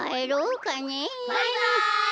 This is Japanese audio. バイバイ！